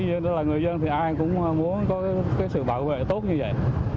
dĩ nhiên là người dân thì ai cũng muốn có sự bảo vệ tốt như vậy